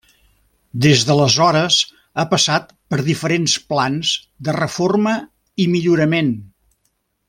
Des d'aleshores ha passat per diferents plans de reforma i millorament.